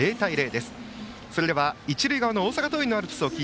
それでは一塁側大阪桐蔭のアルプスです。